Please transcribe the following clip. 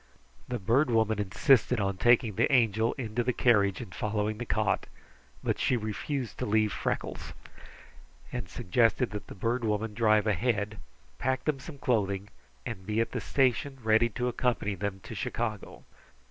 The Bird Woman insisted upon taking the Angel into the carriage and following the cot, but she refused to leave Freckles, and suggested that the Bird Woman drive ahead, pack them some clothing, and be at the station ready to accompany them to Chicago.